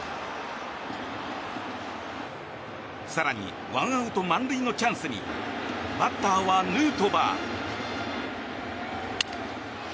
更に１アウト満塁のチャンスにバッターはヌートバー。